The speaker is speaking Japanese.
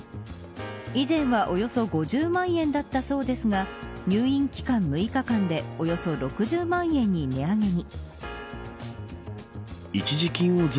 以前は、およそ５０万円だったそうですが入院期間６日間でおよそ６０万円に値上げに。